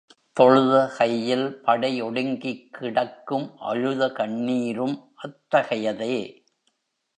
தொழுத கையில் படை ஒடுங்கிக் கிடக்கும் அழுத கண்ணீரும் அத்தகையதே.